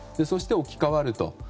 そして置き換わると。